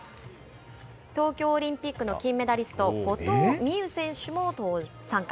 東京オリンピックの金メダリスト後藤希友投手も参加。